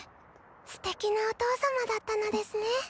すてきなお父様だったのですね。